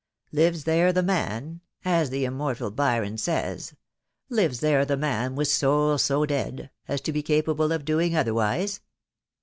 ' Lives there the man,' as the immortal Byron says — 'Lives there the man with soul so dead,' as to be capable of doing otherwise